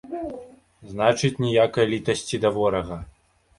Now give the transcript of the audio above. Значыць, ніякай літасці да ворага!